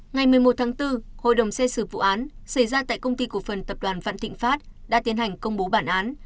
ngày một mươi một tháng bốn hội đồng xét xử vụ án xảy ra tại công ty cổ phần tập đoàn vạn thịnh pháp đã tiến hành công bố bản án